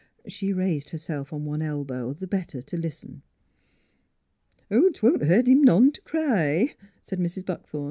She raised herself on one elbow the better to listen. " 'Twon't hurt him none t' cry," said Mrs, Buckthorn.